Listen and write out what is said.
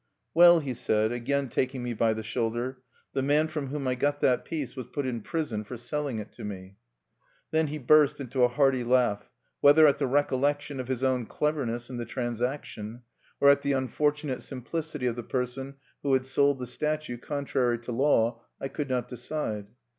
"Well," he said, again taking me by the shoulder, "the man from whom I got that piece was put in prison for selling it to me." Then he burst into a hearty laugh, whether at the recollection of his own cleverness in the transaction, or at the unfortunate simplicity of the person who had sold the statue contrary to law, I could not decide.